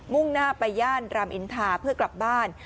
่งหน้าไปย่านรามอินทาเพื่อกลับบ้าน